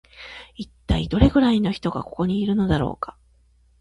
一体どれくらいの人がここのいるのだろうか